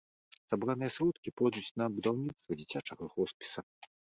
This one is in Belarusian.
Сабраныя сродкі пойдуць на будаўніцтва дзіцячага хоспіса.